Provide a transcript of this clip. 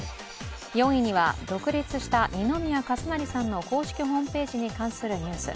４位には独立した二宮和也さんの公式ホームページに関するニュース。